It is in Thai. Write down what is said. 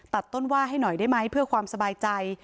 ต้นว่าให้หน่อยได้ไหมเพื่อความสบายใจ